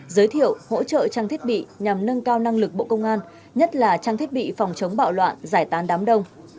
giới thiệu hỗ trợ trang thiết bị nhằm nâng cao năng lực bộ công an nhất là trang thiết bị phòng chống bạo loạn giải tán đám đông